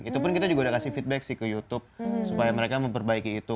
itu pun kita juga udah kasih feedback sih ke youtube supaya mereka memperbaiki itu